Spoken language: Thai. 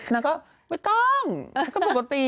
นางก็ไม่ต้องก็ปกติ